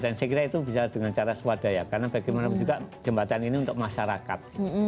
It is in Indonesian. dan saya kira itu bisa dengan cara swadaya karena bagaimana juga jembatan ini untuk masyarakat